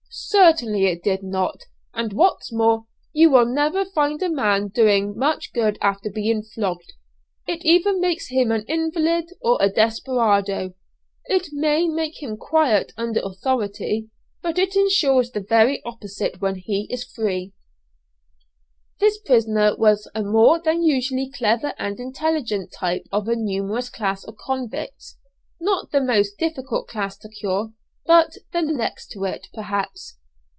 "Certainly it did not; and what's more, you will never find a man doing much good after being flogged. It either makes him an invalid, or a desperado. It may make him quiet under authority, but it ensures the very opposite when he is free." This prisoner was a more than usually clever and intelligent type of a numerous class of convicts not the most difficult class to cure, but the next to it, perhaps.